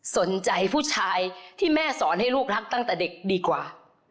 สนใจผู้ชายที่แม่สอนให้ลูกรักตั้งแต่เด็กดีกว่า